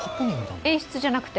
演出じゃなくて？